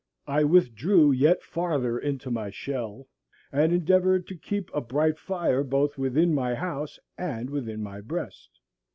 I withdrew yet farther into my shell, and endeavored to keep a bright fire both within my house and within my breast.